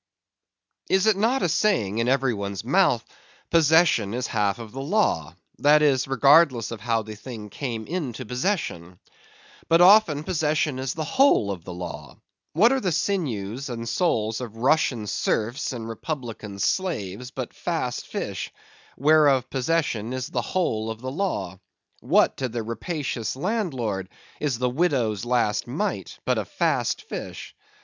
Is it not a saying in every one's mouth, Possession is half of the law: that is, regardless of how the thing came into possession? But often possession is the whole of the law. What are the sinews and souls of Russian serfs and Republican slaves but Fast Fish, whereof possession is the whole of the law? What to the rapacious landlord is the widow's last mite but a Fast Fish?